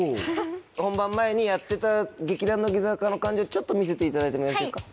本番前にやってた劇団「乃木坂」の感じをちょっと見せていただいてもよろしいですか？